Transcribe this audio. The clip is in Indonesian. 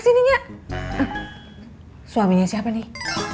suaminya siapa nih